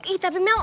ih tapi mel